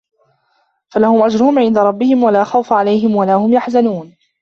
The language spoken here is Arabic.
فَلَهُمْ أَجْرُهُمْ عِنْدَ رَبِّهِمْ وَلَا خَوْفٌ عَلَيْهِمْ وَلَا هُمْ يَحْزَنُونَ